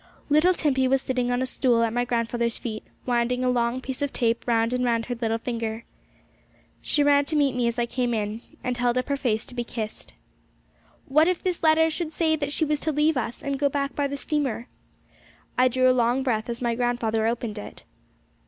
Little Timpey was sitting on a stool at my grandfather's feet, winding a long piece of tape round and round her little finger. She ran to meet me as I came in, and held up her face to be kissed. What if this letter should say she was to leave us, and go back by the steamer! I drew a long breath as my grandfather opened it.